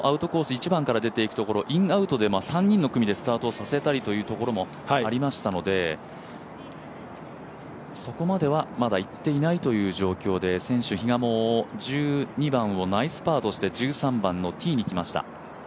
１番から出ていくところをインアウトで３人の組でスタートさせたいというところもありましたのでそこまではまだいっていないという状況で選手、比嘉も１２番をナイスパーとして１３番のティーに来ました。